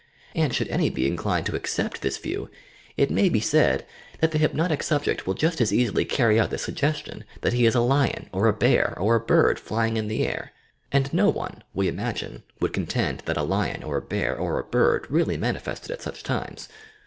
And should any be inclined to accept this view, it may be said that the hypnotic subject will just as easily carry out the suggestion that he is a lion or a bear or a bird flj ing in the air, — and no one, we imagine, would contend that a lion or a bear or a bird really manifested at such times